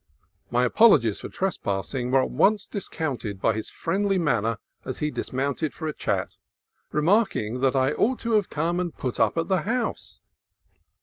My apologies for trespassing were at once dis counted by his friendly manner as he dismounted for a chat, remarking that I ought to have come and put up at the house.